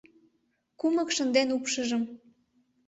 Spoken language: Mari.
Кумык шынден упшыжым